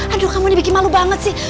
aduh kamu dibik malu banget sih